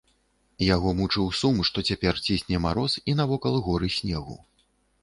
Яго мучыў сум, што цяпер цісне мароз і навокал горы снегу.